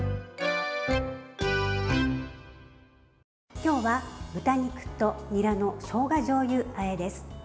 今日は豚肉とにらのしょうがじょうゆあえです。